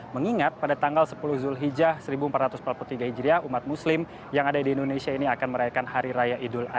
mengingat pada tanggal sepuluh zulhijjah seribu empat ratus empat puluh tiga hijriah umat muslim yang ada di indonesia ini akan merayakan hari raya idul adha